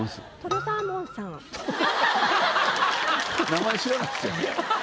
名前知らないですやん。